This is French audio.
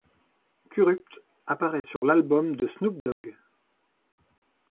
Kurupt apparaît sur l'album ' de Snoop Dogg.